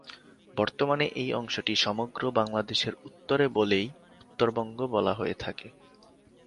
বর্তমানে এই অংশটি সমগ্র বাংলাদেশের উত্তরে বলেই, উত্তরবঙ্গ বলা হয়ে থাকে।